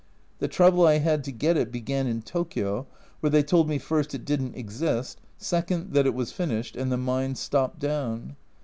The trouble I had to get it began in Tokio, where they told me first it didn't exist, second, that it was finished and the mines stopped down.